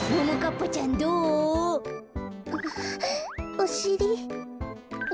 おしり！？